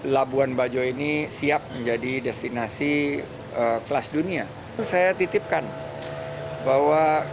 labuan bajo ini siap menjadi destinasi kelas dunia saya titipkan bahwa